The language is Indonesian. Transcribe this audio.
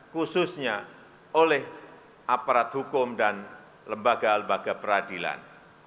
khususnya oleh aparat hukum dan lembaga lembaga peradilan